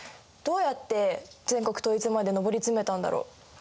どうやって全国統一まで上り詰めたんだろう？